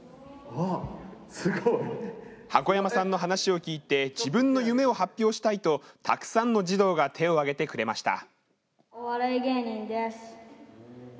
箱山さんの話を聞いて自分の夢を発表したいとたくさんの児童が手を挙げてくれました。